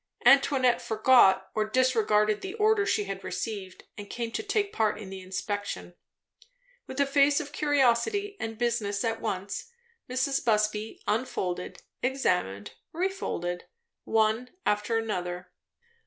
Antoinette forgot or disregarded the order she had received and came to take part in the inspection. With a face of curiosity and business at once, Mrs. Busby unfolded, examined, refolded, one after another.